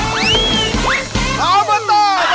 ออปเตอร์มหาสนุก